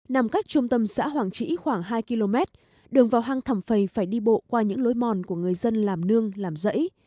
nằm cách trung tâm xã hoàng trĩ khoảng hai km đường vào hang thẩm phầy phải đi bộ qua những lối mòn của người dân làm nương làm rẫy